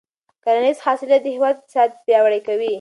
کرنیز حاصلات د هېواد اقتصاد پیاوړی کوي.